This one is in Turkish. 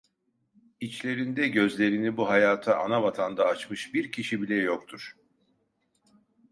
İçlerinde gözlerini bu hayata anavatanda açmış bir kişi bile yoktur…